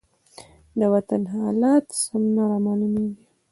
د وطن حالات سم نه رامالومېږي.